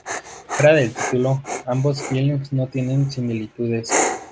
Fuera del título, ambos films no tienen similitudes.